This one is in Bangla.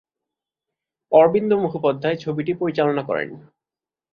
অরবিন্দ মুখোপাধ্যায় ছবিটি পরিচালনা করেন।